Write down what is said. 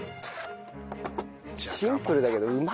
シンプルだけどうまいよな。